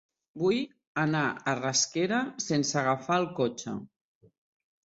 Vull anar a Rasquera sense agafar el cotxe.